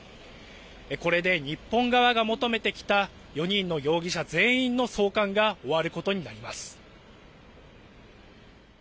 これで日本側が求めてきた４人の容疑者全員の送還が終わることになります。